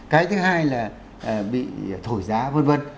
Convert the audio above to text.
cái thứ hai là bị thổi giá vân vân